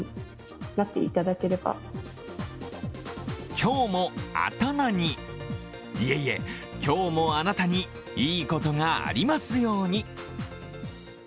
きょうもあたまにいえいえ、今日もあなたにいいことがありますように。